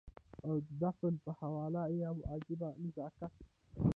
او د فن په حواله يو عجيبه نزاکت